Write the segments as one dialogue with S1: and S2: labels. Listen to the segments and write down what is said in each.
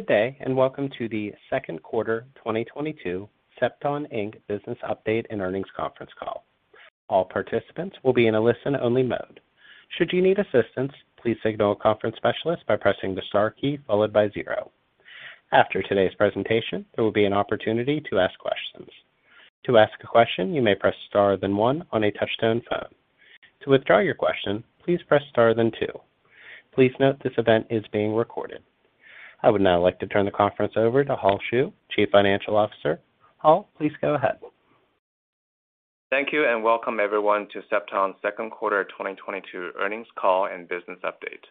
S1: Good day, and welcome to the Q2 2022 Cepton, Inc. business update and earnings conference call. All participants will be in a listen-only mode. Should you need assistance, please signal a conference specialist by pressing the star key followed by zero. After today's presentation, there will be an opportunity to ask questions. To ask a question, you may press star then one on a touch-tone phone. To withdraw your question, please press star then two. Please note this event is being recorded. I would now like to turn the conference over to Hull Xu, Chief Financial Officer. Hull, please go ahead.
S2: Thank you and welcome everyone to Cepton's Q2 2022 earnings call and business update.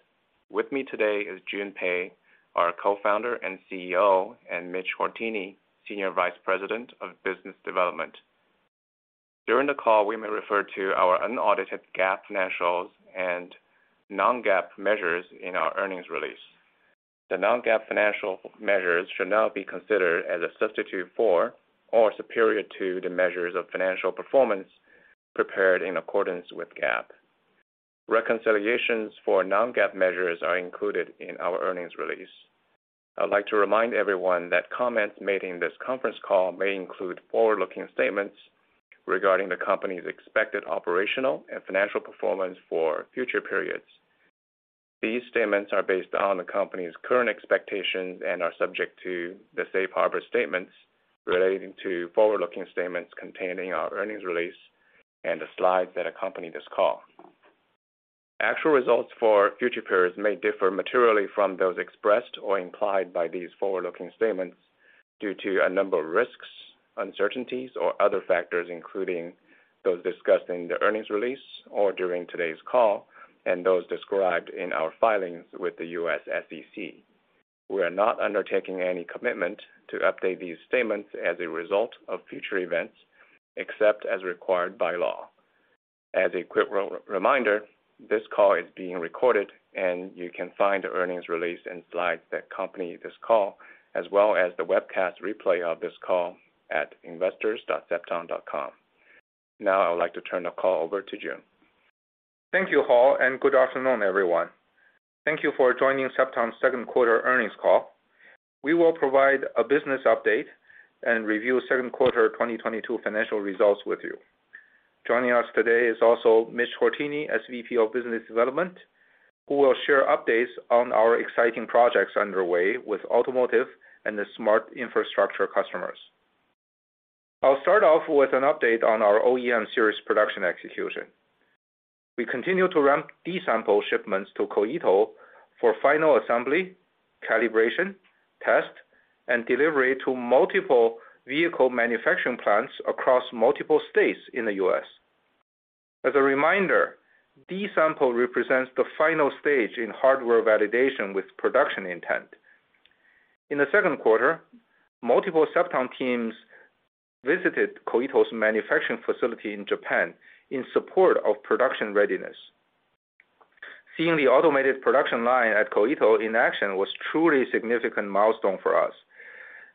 S2: With me today is Jun Pei, our Co-founder and CEO, and Mitch Hourtienne, Senior Vice President of Business Development. During the call, we may refer to our unaudited GAAP financials and non-GAAP measures in our earnings release. The non-GAAP financial measures should not be considered as a substitute for or superior to the measures of financial performance prepared in accordance with GAAP. Reconciliations for non-GAAP measures are included in our earnings release. I'd like to remind everyone that comments made in this conference call may include forward-looking statements regarding the company's expected operational and financial performance for future periods. These statements are based on the company's current expectations and are subject to the safe harbor statements relating to forward-looking statements contained in our earnings release and the slides that accompany this call. Actual results for future periods may differ materially from those expressed or implied by these forward-looking statements due to a number of risks, uncertainties, or other factors, including those discussed in the earnings release or during today's call, and those described in our filings with the U.S. SEC. We are not undertaking any commitment to update these statements as a result of future events, except as required by law. As a quick reminder, this call is being recorded and you can find the earnings release and slides that accompany this call, as well as the webcast replay of this call at investors.cepton.com. Now I would like to turn the call over to Jun.
S3: Thank you, Hull Xu, and good afternoon, everyone. Thank you for joining Cepton's Q2 earnings call. We will provide a business update and review Q2 2022 financial results with you. Joining us today is also Mitch Hourtienne, SVP of Business Development, who will share updates on our exciting projects underway with automotive and the smart infrastructure customers. I'll start off with an update on our OEM series production execution. We continue to ramp D-sample shipments to Koito for final assembly, calibration, test, and delivery to multiple vehicle manufacturing plants across multiple states in the U.S. As a reminder, D-sample represents the final stage in hardware validation with production intent. In the Q2, multiple Cepton teams visited Koito's manufacturing facility in Japan in support of production readiness. Seeing the automated production line at Koito in action was truly a significant milestone for us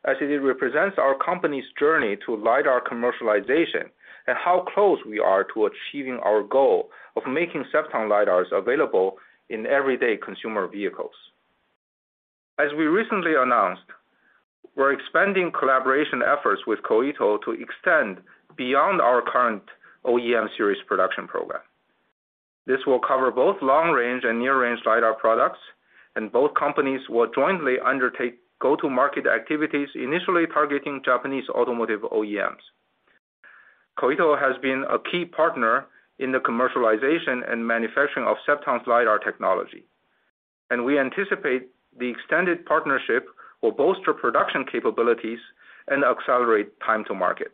S3: as it represents our company's journey to lidar commercialization and how close we are to achieving our goal of making Cepton lidars available in everyday consumer vehicles. As we recently announced, we're expanding collaboration efforts with Koito to extend beyond our current OEM series production program. This will cover both long-range and near-range lidar products, and both companies will jointly undertake go-to-market activities, initially targeting Japanese automotive OEMs. Koito has been a key partner in the commercialization and manufacturing of Cepton's lidar technology, and we anticipate the extended partnership will bolster production capabilities and accelerate time to market.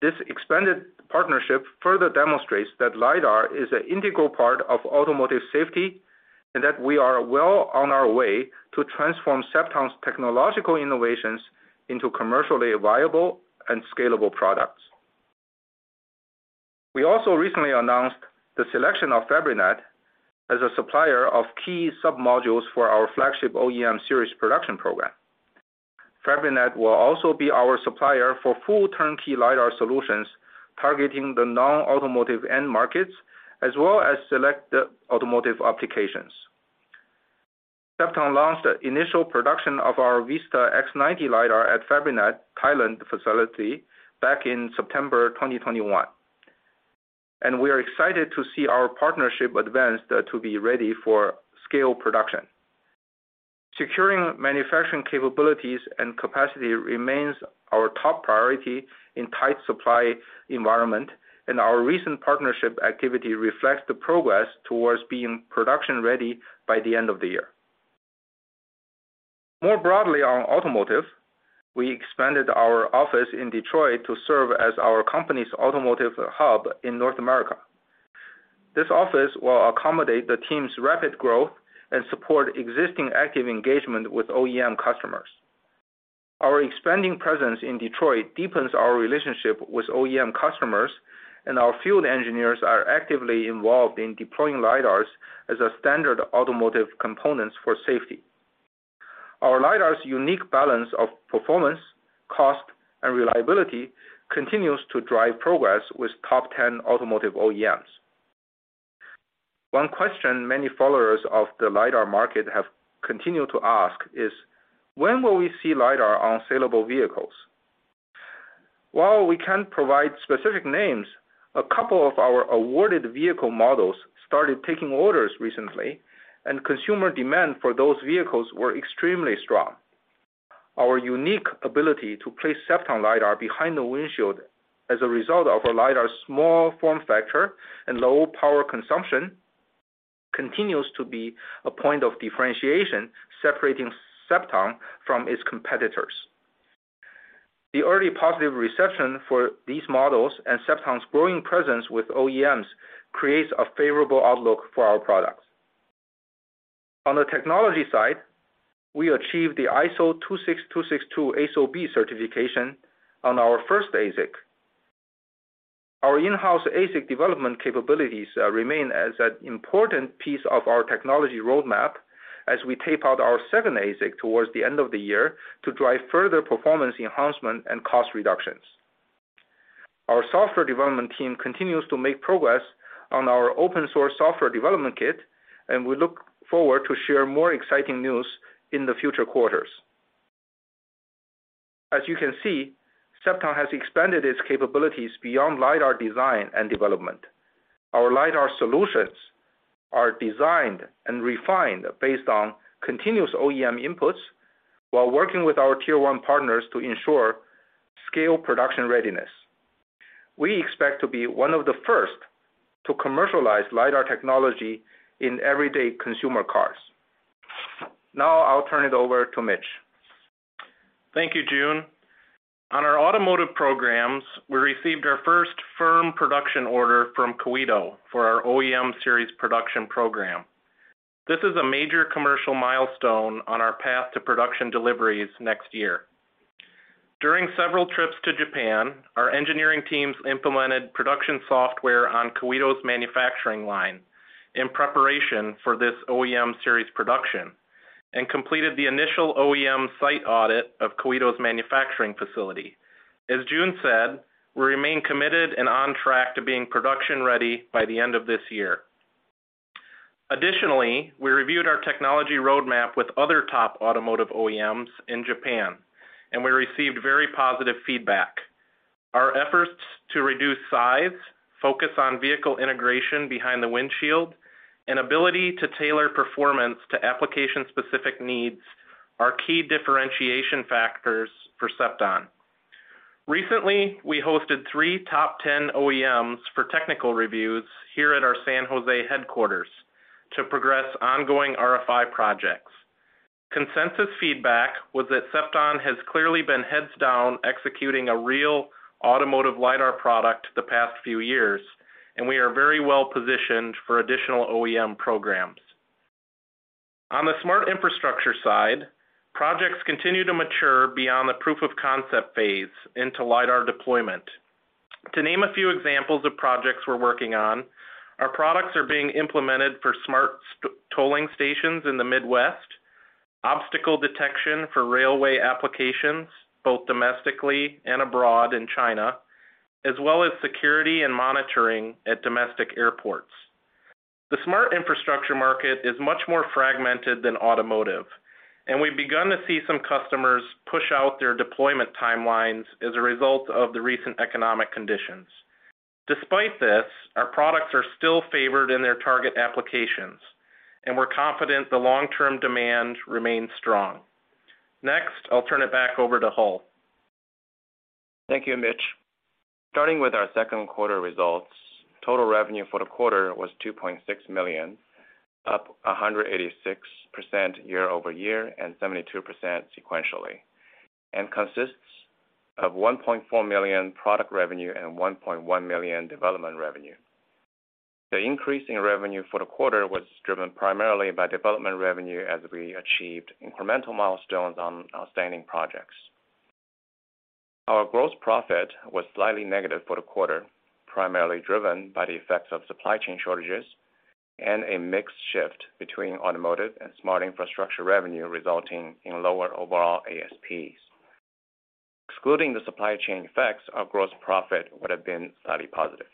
S3: This expanded partnership further demonstrates that lidar is an integral part of automotive safety, and that we are well on our way to transform Cepton's technological innovations into commercially viable and scalable products. We also recently announced the selection of Fabrinet as a supplier of key sub-modules for our flagship OEM series production program. Fabrinet will also be our supplier for full turnkey lidar solutions, targeting the non-automotive end markets, as well as select automotive applications. Cepton launched the initial production of our Vista-X90 lidar at Fabrinet's Thailand facility back in September 2021, and we are excited to see our partnership advance to be ready for scale production. Securing manufacturing capabilities and capacity remains our top priority in tight supply environment, and our recent partnership activity reflects the progress towards being production ready by the end of the year. More broadly on automotive, we expanded our office in Detroit to serve as our company's automotive hub in North America. This office will accommodate the team's rapid growth and support existing active engagement with OEM customers. Our expanding presence in Detroit deepens our relationship with OEM customers, and our field engineers are actively involved in deploying lidars as a standard automotive components for safety. Our lidar's unique balance of performance, cost, and reliability continues to drive progress with top 10 automotive OEMs. One question many followers of the lidar market have continued to ask is when will we see lidar on saleable vehicles? While we can't provide specific names, a couple of our awarded vehicle models started taking orders recently, and consumer demand for those vehicles were extremely strong. Our unique ability to place Cepton lidar behind the windshield as a result of our lidar's small form factor and low power consumption continues to be a point of differentiation separating Cepton from its competitors. The early positive reception for these models and Cepton's growing presence with OEMs creates a favorable outlook for our products. On the technology side, we achieved the ISO 26262 ASIL B certification on our first ASIC. Our in-house ASIC development capabilities remain as an important piece of our technology roadmap as we tape out our second ASIC towards the end of the year to drive further performance enhancement and cost reductions. Our software development team continues to make progress on our open-source software development kit, and we look forward to share more exciting news in the future quarters. As you can see, Cepton has expanded its capabilities beyond lidar design and development. Our lidar solutions are designed and refined based on continuous OEM inputs while working with our tier one partners to ensure scale production readiness. We expect to be one of the first to commercialize lidar technology in everyday consumer cars. Now, I'll turn it over to Mitch.
S4: Thank you, Jun. On our automotive programs, we received our first firm production order from Koito for our OEM series production program. This is a major commercial milestone on our path to production deliveries next year. During several trips to Japan, our engineering teams implemented production software on Koito's manufacturing line in preparation for this OEM series production and completed the initial OEM site audit of Koito's manufacturing facility. As Jun said, we remain committed and on track to being production ready by the end of this year. Additionally, we reviewed our technology roadmap with other top automotive OEMs in Japan, and we received very positive feedback. Our efforts to reduce size, focus on vehicle integration behind the windshield and ability to tailor performance to application-specific needs are key differentiation factors for Cepton. Recently, we hosted three top ten OEMs for technical reviews here at our San Jose headquarters to progress ongoing RFI projects. Consensus feedback was that Cepton has clearly been heads down executing a real automotive lidar product the past few years, and we are very well-positioned for additional OEM programs. On the smart infrastructure side, projects continue to mature beyond the proof-of-concept phase into lidar deployment. To name a few examples of projects we're working on, our products are being implemented for smart tolling stations in the Midwest, obstacle detection for railway applications, both domestically and abroad in China, as well as security and monitoring at domestic airports. The smart infrastructure market is much more fragmented than automotive, and we've begun to see some customers push out their deployment timelines as a result of the recent economic conditions. Despite this, our products are still favored in their target applications, and we're confident the long-term demand remains strong. Next, I'll turn it back over to Hull Xu.
S2: Thank you, Mitch. Starting with our Q2 results, total revenue for the quarter was $2.6 million, up 186% year-over-year and 72% sequentially, and consists of $1.4 million product revenue and $1.1 million development revenue. The increase in revenue for the quarter was driven primarily by development revenue as we achieved incremental milestones on outstanding projects. Our gross profit was slightly negative for the quarter, primarily driven by the effects of supply chain shortages and a mix shift between automotive and smart infrastructure revenue, resulting in lower overall ASPs. Excluding the supply chain effects, our gross profit would have been slightly positive.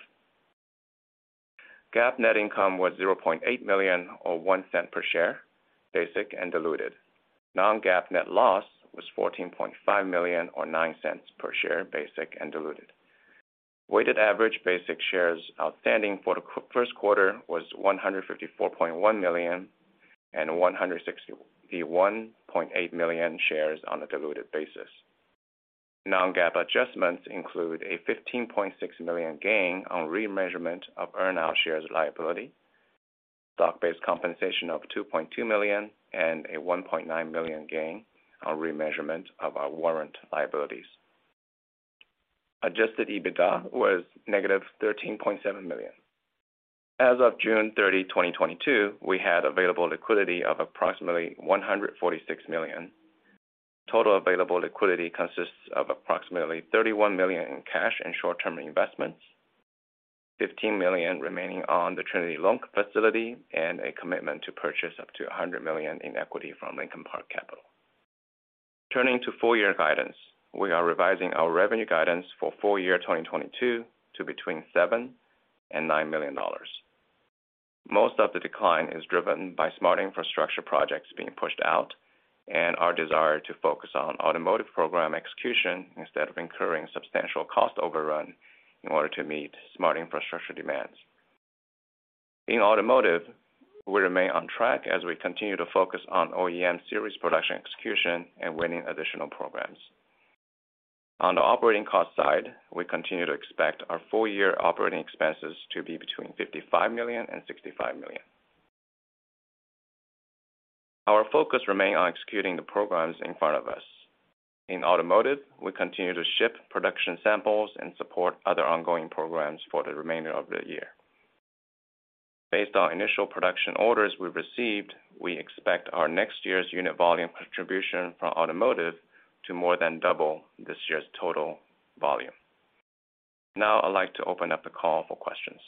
S2: GAAP net income was $0.8 million or $0.01 per share, basic and diluted. Non-GAAP net loss was $14.5 million or $0.09 per share, basic and diluted. Weighted average basic shares outstanding for the Q1 was 154.1 million and 161.8 million shares on a diluted basis. Non-GAAP adjustments include a $15.6 million gain on remeasurement of earn-out shares liability, stock-based compensation of $2.2 million, and a $1.9 million gain on remeasurement of our warrant liabilities. Adjusted EBITDA was negative $13.7 million. As of 30 June 2022, we had available liquidity of approximately $146 million. Total available liquidity consists of approximately $31 million in cash and short-term investments, $15 million remaining on the Trinity Capital loan facility, and a commitment to purchase up to $100 million in equity from Lincoln Park Capital. Turning to full year guidance, we are revising our revenue guidance for full year 2022 to between $7 million and $9 million. Most of the decline is driven by smart infrastructure projects being pushed out and our desire to focus on automotive program execution instead of incurring substantial cost overrun in order to meet smart infrastructure demands. In automotive, we remain on track as we continue to focus on OEM series production execution and winning additional programs. On the operating cost side, we continue to expect our full year operating expenses to be between $55 million and $65 million. Our focus remain on executing the programs in front of us. In automotive, we continue to ship production samples and support other ongoing programs for the remainder of the year. Based on initial production orders we've received, we expect our next year's unit volume contribution from automotive to more than double this year's total volume. Now I'd like to open up the call for questions.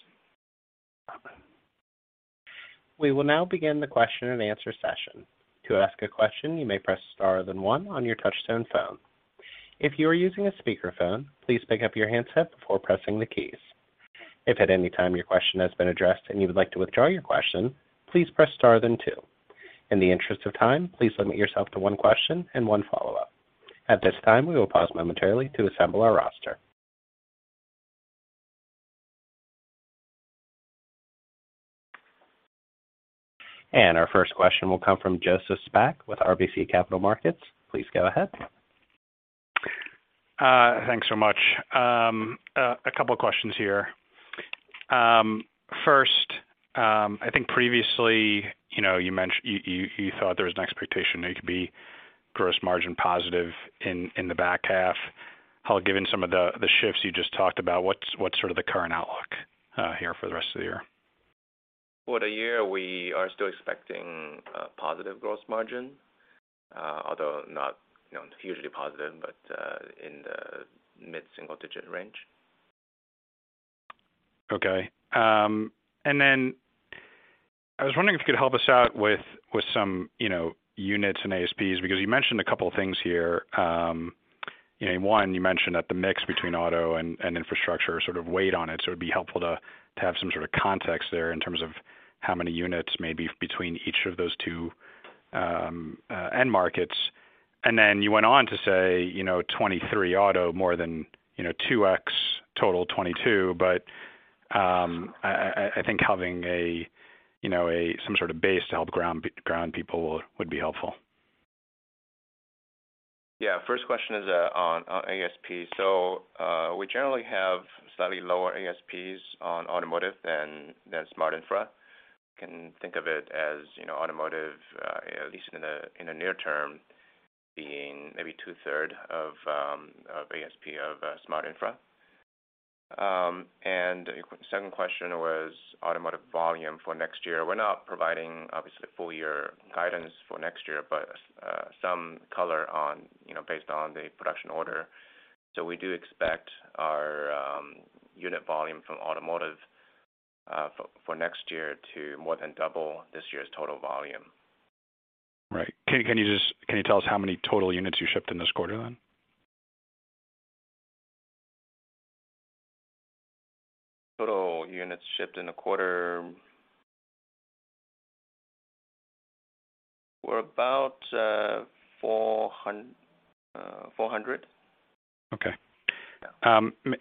S1: We will now begin the question and answer session. To ask a question, you may press star then one on your touchtone phone. If you are using a speakerphone, please pick up your handset before pressing the keys. If at any time your question has been addressed and you would like to withdraw your question, please press star then two. In the interest of time, please limit yourself to one question and one follow-up. At this time, we will pause momentarily to assemble our roster. Our first question will come from Joseph Spak with RBC Capital Markets. Please go ahead.
S5: Thanks so much. A couple of questions here. First, I think previously, you know, you thought there was an expectation that you could be gross margin positive in the back half. How, given some of the shifts you just talked about, what's sort of the current outlook here for the rest of the year?
S2: For the year, we are still expecting a positive gross margin, although not, you know, hugely positive, but, in the mid-single digit range.
S5: Okay. I was wondering if you could help us out with some, you know, units and ASPs, because you mentioned a couple of things here. You know, one, you mentioned that the mix between auto and infrastructure sort of weighed on it, so it'd be helpful to have some sort of context there in terms of how many units may be between each of those two end markets. You went on to say, you know, 2023 auto more than 2x total 2022. I think having some sort of base to help ground people would be helpful.
S2: Yeah. First question is on ASP. We generally have slightly lower ASPs on automotive than smart infra. You can think of it as, you know, automotive at least in the near term, being maybe two-thirds of ASP of smart infra. Second question was automotive volume for next year. We're not providing obviously full year guidance for next year, but some color on, you know, based on the production order. We do expect our unit volume from automotive for next year to more than double this year's total volume.
S5: Right. Can you tell us how many total units you shipped in this quarter then?
S2: Total units shipped in the quarter were about 400.
S5: Okay.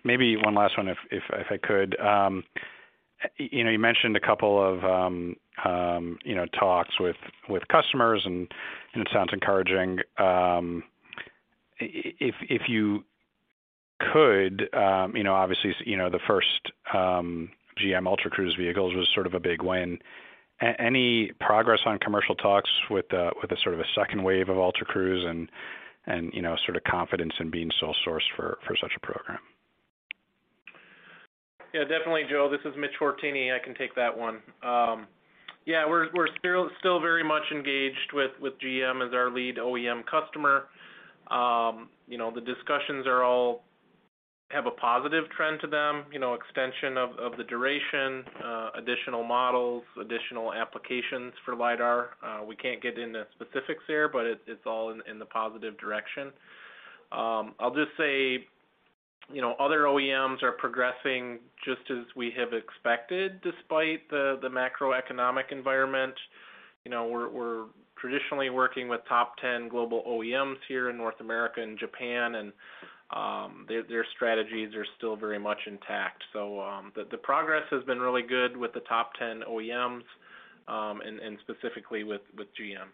S5: Maybe one last one if I could. You know, you mentioned a couple of you know, talks with customers, and it sounds encouraging. If you could, you know, obviously, you know, the first GM Ultra Cruise vehicles was sort of a big win. Any progress on commercial talks with a sort of a second wave of Ultra Cruise and you know, sort of confidence in being sole source for such a program?
S4: Yeah, definitely, Joe. This is Mitch Hourtienne. I can take that one. Yeah, we're still very much engaged with GM as our lead OEM customer. You know, the discussions are all have a positive trend to them, you know, extension of the duration, additional models, additional applications for LIDAR. We can't get into specifics there, but it's all in the positive direction. I'll just say, you know, other OEMs are progressing just as we have expected despite the macroeconomic environment. You know, we're traditionally working with top 10 global OEMs here in North America and Japan, and their strategies are still very much intact. The progress has been really good with the top 10 OEMs, and specifically with GM.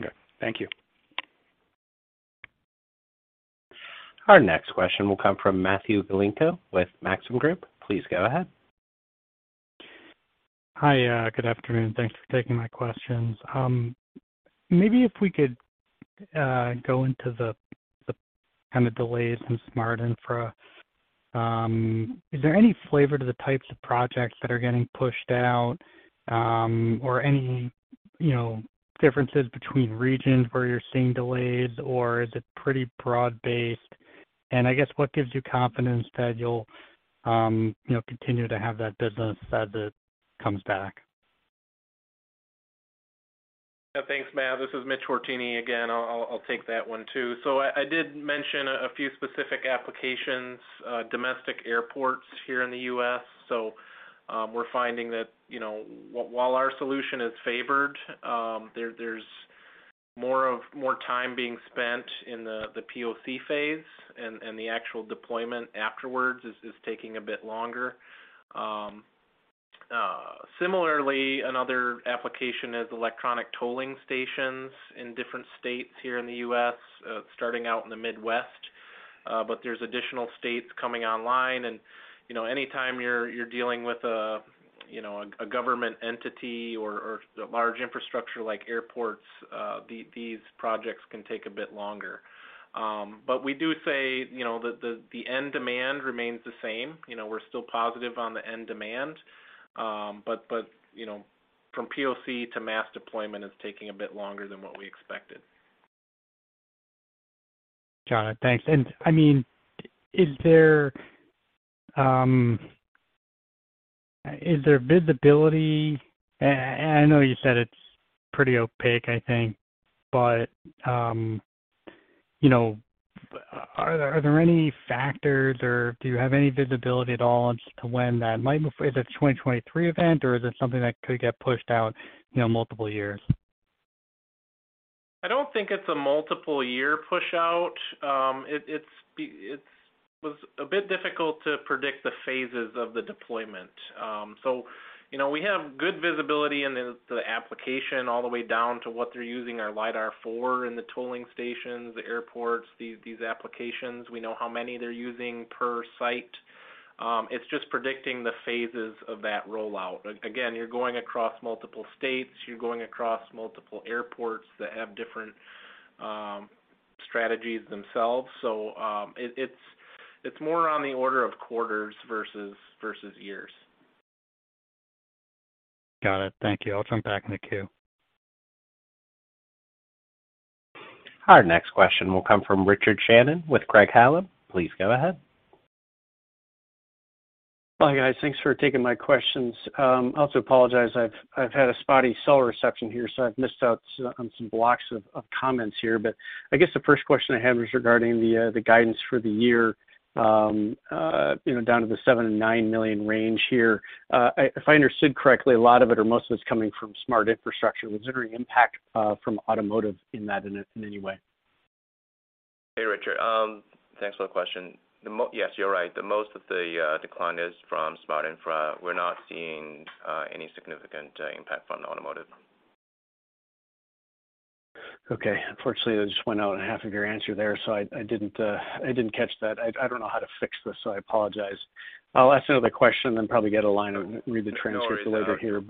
S5: Okay. Thank you.
S1: Our next question will come from Matthew Galante with Maxim Group. Please go ahead.
S6: Hi. Good afternoon. Thanks for taking my questions. Maybe if we could go into the kind of delays in smart infra. Is there any flavor to the types of projects that are getting pushed out, or any, you know, differences between regions where you're seeing delays, or is it pretty broad-based? I guess what gives you confidence that you'll you know continue to have that business as it comes back?
S4: Yeah, thanks, Matt. This is Mitch Hourtienne again. I'll take that one too. I did mention a few specific applications, domestic airports here in the U.S. We're finding that, you know, while our solution is favored, there's more time being spent in the POC phase, and the actual deployment afterwards is taking a bit longer. Similarly, another application is electronic tolling stations in different states here in the U.S., starting out in the Midwest. There's additional states coming online and, you know, anytime you're dealing with a government entity or a large infrastructure like airports, these projects can take a bit longer. We do say, you know, the end demand remains the same. You know, we're still positive on the end demand. You know, from POC to mass deployment is taking a bit longer than what we expected.
S6: Got it. Thanks. I mean, is there visibility? I know you said it's pretty opaque, I think, but you know, are there any factors or do you have any visibility at all as to when that might move? Is it a 2023 event or is it something that could get pushed out, you know, multiple years?
S4: I don't think it's a multiple year push out. It was a bit difficult to predict the phases of the deployment. So, you know, we have good visibility in the application all the way down to what they're using our lidar for in the tolling stations, the airports, these applications. We know how many they're using per site. It's just predicting the phases of that rollout. Again, you're going across multiple states, you're going across multiple airports that have different strategies themselves. So, it's more on the order of quarters versus years.
S6: Got it. Thank you. I'll jump back in the queue.
S1: Our next question will come from Richard Shannon with Craig-Hallum. Please go ahead.
S7: Hi, guys. Thanks for taking my questions. I also apologize I've had a spotty cell reception here, so I've missed out on some blocks of comments here. I guess the first question I had was regarding the guidance for the year, you know, down to the $7 to 9 million range here. If I understood correctly, a lot of it or most of its coming from smart infrastructure. Was there any impact from automotive in that in any way?
S2: Hey, Richard. Thanks for the question. Yes, you're right. The most of the decline is from smart infra. We're not seeing any significant impact from automotive.
S7: Okay. Unfortunately, I just went out in half of your answer there, so I didn't catch that. I don't know how to fix this, so I apologize. I'll ask another question then probably read the transcript later here.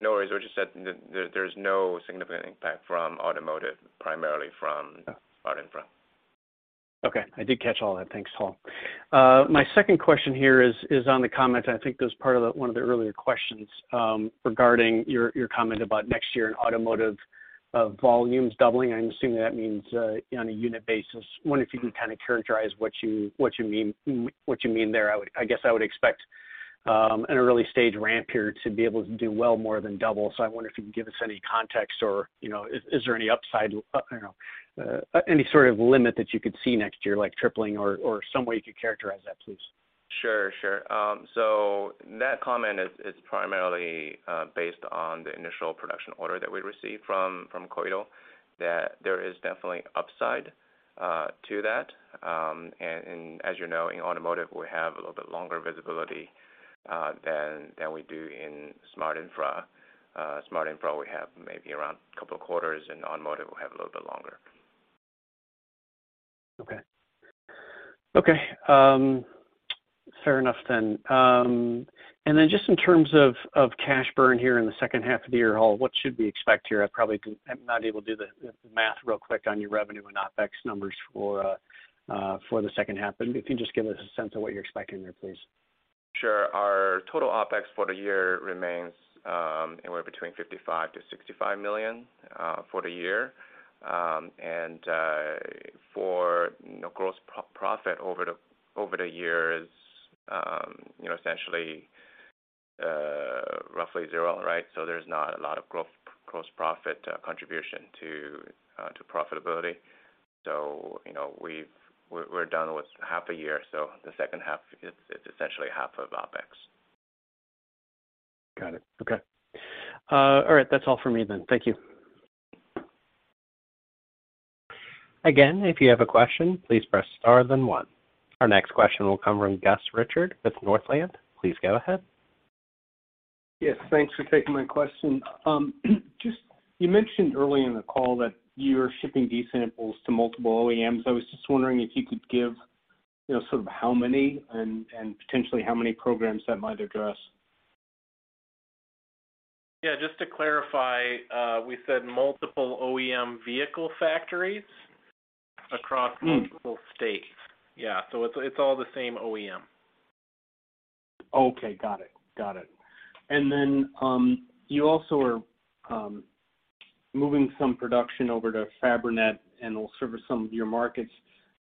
S2: No worries. I just said there's no significant impact from automotive, primarily from-
S7: Yeah.
S2: smart infra.
S7: Okay. I did catch all that. Thanks, Hull. My second question here is on the comment, I think it was part of one of the earlier questions, regarding your comment about next year in automotive volumes doubling. I'm assuming that means on a unit basis. Wondering if you can kind of characterize what you mean there. I guess I would expect in an early stage ramp period to be able to do well more than double. I wonder if you can give us any context or is there any upside any sort of limit that you could see next year, like tripling or some way you could characterize that, please?
S2: Sure, sure. That comment is primarily based on the initial production order that we received from Koito, that there is definitely upside to that. As you know, in automotive we have a little bit longer visibility than we do in smart infra. Smart infra we have maybe around couple of quarters, in automotive we have a little bit longer.
S7: Okay. Fair enough then. Just in terms of cash burn here in the H2 of the year, Hull, what should we expect here? I probably am not able to do the math real quick on your revenue and OpEx numbers for the H2, but if you just give us a sense of what you're expecting there, please.
S2: Sure. Our total OpEx for the year remains anywhere between $55 to 65 million for the year. For gross profit over the year is, you know, essentially roughly zero, right? There's not a lot of gross profit contribution to profitability. You know, we're done with half a year, so the H2 it's essentially half of OpEx.
S7: Got it. Okay. All right. That's all for me then. Thank you.
S1: Again, if you have a question, please press star then 1. Our next question will come from Gus Richard with Northland. Please go ahead.
S8: Yes, thanks for taking my question. Just you mentioned early in the call that you're shipping these samples to multiple OEMs. I was just wondering if you could give, you know, sort of how many and potentially how many programs that might address?
S2: Yeah. Just to clarify, we said multiple OEM vehicle factories across multiple states. Yeah. It's all the same OEM.
S8: Okay. Got it. You also are- Moving some production over to Fabrinet and will service some of your markets.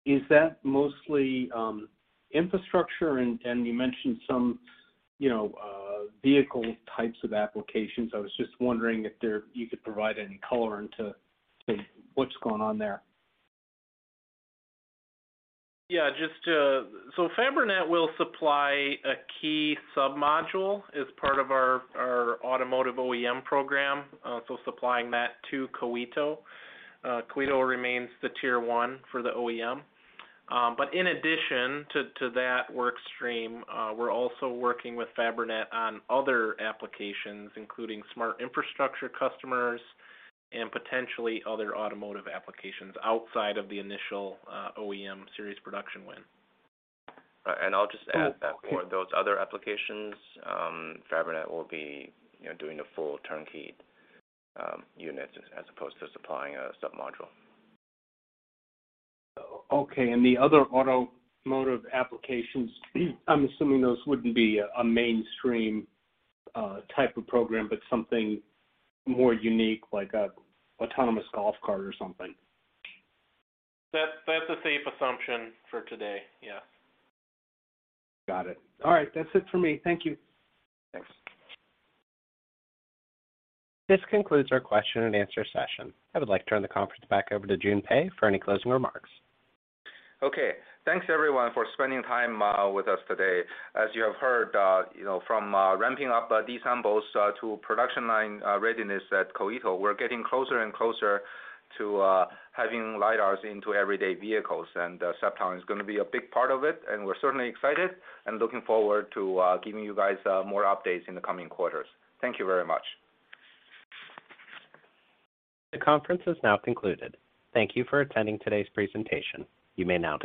S8: Is that mostly infrastructure? You mentioned some, you know, vehicle types of applications. I was just wondering if there, you could provide any color into, say, what's going on there.
S4: Yeah. Fabrinet will supply a key submodule as part of our automotive OEM program, supplying that to Koito. Koito remains the Tier 1 for the OEM. In addition to that work stream, we're also working with Fabrinet on other applications, including smart infrastructure customers and potentially other automotive applications outside of the initial OEM series production win.
S3: I'll just add that for those other applications, Fabrinet will be, you know, doing the full turnkey units as opposed to supplying a submodule.
S8: Okay, the other automotive applications, I'm assuming those wouldn't be a mainstream type of program but something more unique like a autonomous golf cart or something.
S4: That's a safe assumption for today, yes.
S8: Got it. All right. That's it for me. Thank you.
S4: Thanks.
S1: This concludes our question and answer session. I would like to turn the conference back over to Jun Pei for any closing remarks.
S3: Okay. Thanks, everyone, for spending time with us today. As you have heard, you know, from ramping up these samples to production line readiness at Koito, we're getting closer and closer to having lidars into everyday vehicles. Cepton is gonna be a big part of it, and we're certainly excited and looking forward to giving you guys more updates in the coming quarters. Thank you very much.
S1: The conference has now concluded. Thank you for attending today's presentation. You may now disconnect.